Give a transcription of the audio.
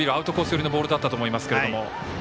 寄りのボールだったと思いますが。